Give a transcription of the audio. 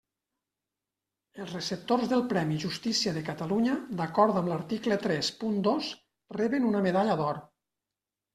Els receptors del Premi Justícia de Catalunya, d'acord amb l'article tres punt dos, reben una medalla d'or.